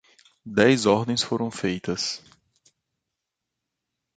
Dez ordens foram feitas.